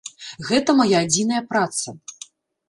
Гэта мая адзіная праца.